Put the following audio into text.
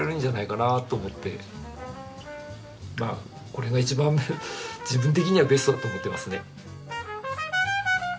これが一番自分的にはベストだと思ってますね。